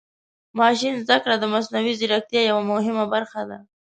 ماشین زده کړه د مصنوعي ځیرکتیا یوه مهمه برخه ده.